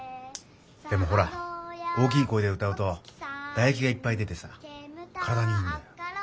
でもほら大きい声で歌うとだえきがいっぱい出てさ体にいいんだよ。